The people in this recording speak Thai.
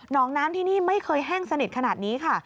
น้องน้ำที่นี่ไม่เคยแห้งสนิทขนาดนี้ค่ะ